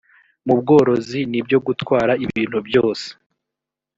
mu bworozi n ibyo gutwara ibintu byose